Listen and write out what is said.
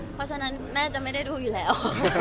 เพราะฉะนั้นแม่จะไม่ได้ดูอยู่แล้ว